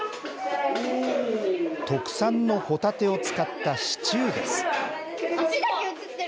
特産のホタテを使ったシチューです。